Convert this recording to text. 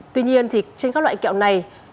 tuy nhiên thì trên các loại kẹo này